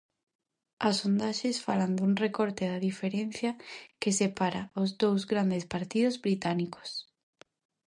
As sondaxes falan dun recorte da diferenza que separa ós dous grandes partidos británicos.